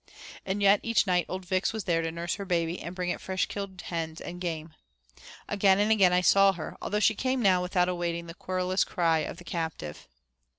And yet each night old Vix was there to nurse her baby and bring it fresh killed hens and game. Again and again I saw her, although she came now without awaiting the querulous cry of the captive.